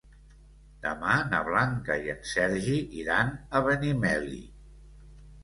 Demà na Blanca i en Sergi iran a Benimeli.